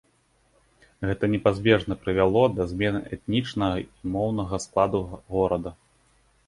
Гэта непазбежна прывяло да змены этнічнага і моўнага складу горада.